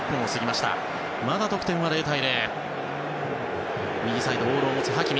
まだ得点は０対０。